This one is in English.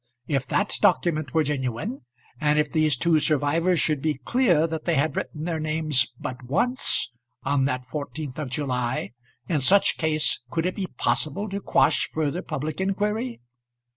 If that document were genuine, and if these two survivors should be clear that they had written their names but once on that 14th of July, in such case could it be possible to quash further public inquiry?